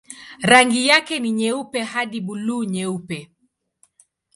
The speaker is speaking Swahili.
Rangi yake ni nyeupe hadi buluu-nyeupe.